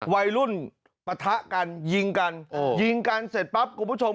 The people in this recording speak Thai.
วัยรุ่นปะทะกันยิงกัน